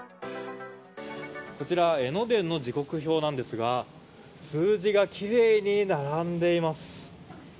こちら江ノ電の時刻表なんですが数字がきれいに並んでいます。